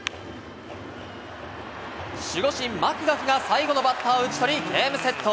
守護神マクガフが最後のバッターを打ち取りゲームセット。